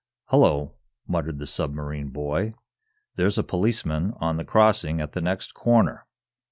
"Hullo," muttered the submarine boy. "There's a policeman on the crossing at the next corner.